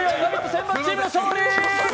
選抜チームの勝利！